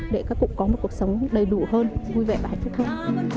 để các cụ có một cuộc sống đầy đủ hơn vui vẻ và hạnh phúc hơn